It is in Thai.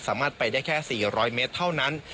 สามารถไปได้แค่๔๐๐เมตรเท่านั้น